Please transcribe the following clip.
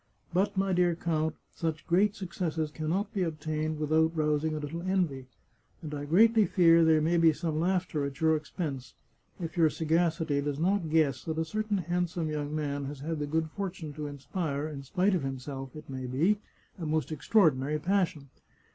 But, my dear count, such great successes can not be obtained without rousing a little envy, and I greatly fear there may be some laughter at your expense, if your sagacity does not guess that a certain handsome young man has had the good fortune to inspire, in spite of himself, it may be, a most extraordinary passion.